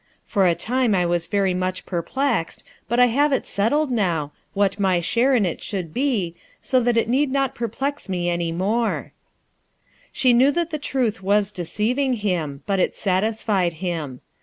For a time I was very much perplexed, but I have settled it now, what my share in it should be, so that it need not perplex me any more," She knew that the truth was deceiving him, but it satisfied him.